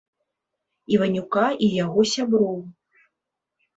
Іванюка і яго сяброў.